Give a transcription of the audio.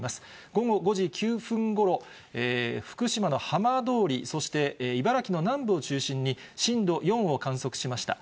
午後５時９分ごろ、福島の浜通り、そして茨城の南部を中心に、震度４を観測しました。